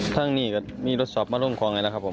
ท่างนี้ก็มีรถช็อปมาร่วมครองไงแล้วครับผม